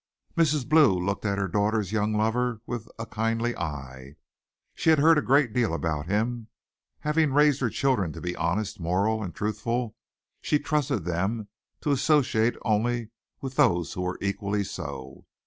Mrs. Blue looked at her daughter's young lover with a kindly eye. She had heard a great deal about him. Having raised her children to be honest, moral and truthful she trusted them to associate only with those who were equally so.